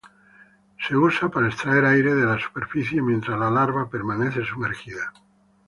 Es usado para extraer aire de la superficie mientras la larva permanece sumergida.